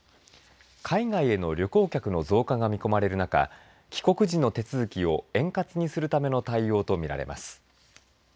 海外への旅行客の増加が見込まれる中帰国時の手続きを円滑にするための対応と見られます。